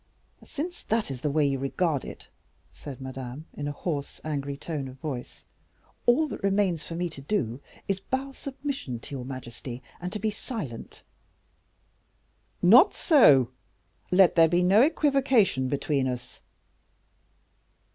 "Since that is the way you regard it," said Madame, in a hoarse, angry tone of voice, "all that remains for me to do is bow submission to your majesty, and to be silent." "Not so. Let there be no equivocation between us."